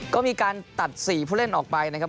ก็มีการตัด๔ผู้เล่นออกไปนะครับ